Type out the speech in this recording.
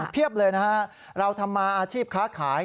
เลยนะฮะเราทำมาอาชีพค้าขาย